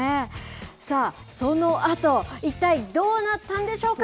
さあ、そのあと、一体どうなったんでしょうか。